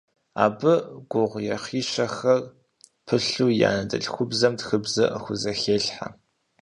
Абы гугъуехьищэхэр пылъу и анэдэльхубзэм тхыбзэ хузэхелъхьэ.